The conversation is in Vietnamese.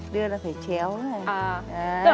đưa nó phải chéo ra